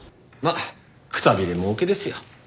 まあくたびれ儲けですよ。